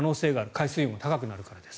海水温が高くなるからです。